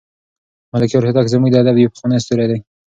ملکیار هوتک زموږ د ادب یو پخوانی ستوری دی.